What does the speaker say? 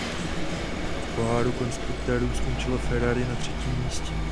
V poháru konstruktérů skončilo Ferrari na třetím místě.